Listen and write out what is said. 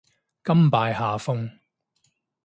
甘拜下風